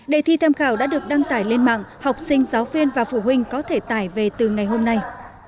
đề thi tham khảo đã được đăng tải lên mạng học sinh giáo viên và phụ huynh có thể tải về từ ngày hôm nay